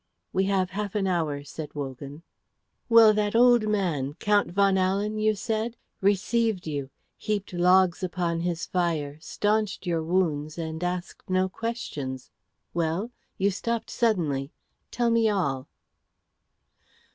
"We have half an hour," said Wogan. "Well, that old man Count von Ahlen, you said received you, heaped logs upon his fire, stanched your wounds, and asked no questions. Well? You stopped suddenly. Tell me all!"